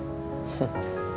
gak perlu ngeles